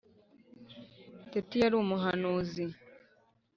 Teti yari umuhanuzi